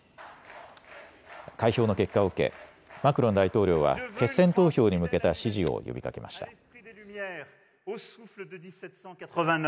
開票の結果を受けマクロン大統領は決選投票に向けた支持を呼びかけました。